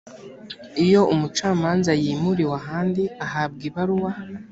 iyo umucamanza yimuriwe ahandi ahabwa ibaruwa